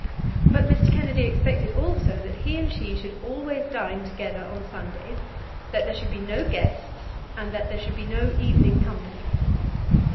But Mr. Kennedy expected also that he and she should always dine together on Sundays, that there should be no guests, and that there should be no evening company.